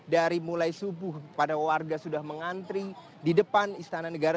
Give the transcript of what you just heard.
dari mulai subuh pada warga sudah mengantri di depan istana negara